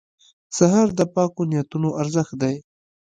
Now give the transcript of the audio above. سهار د پاکو نیتونو ارزښت دی.